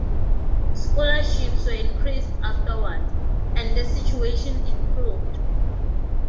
Scholarships were increased afterwards, and the situation improved.